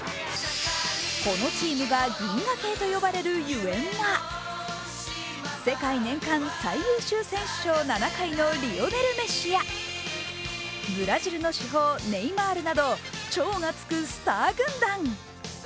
このチームが銀河系と呼ばれるゆえんは世界年間最優秀選手賞のリオネル・メッシやブラジルの至宝ネイマールなど超がつくスター軍団。